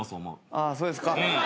ああそうですか。